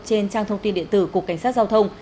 trên trang thông tin điện tử của cảnh sát giao thông